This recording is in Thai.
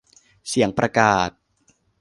เสียงประกาศ